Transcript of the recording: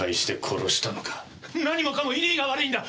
何もかも乾が悪いんだ！